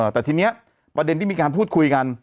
แต่ทีนี้ประเด็นที่มีการพูดคุยกัน